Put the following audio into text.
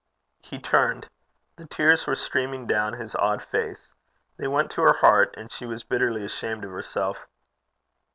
He turned. The tears were streaming down his odd face. They went to her heart, and she was bitterly ashamed of herself.